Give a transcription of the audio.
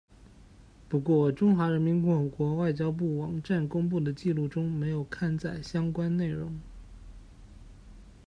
不过中华人民共和国外交部网站公布的记录中没有刊载相关内容。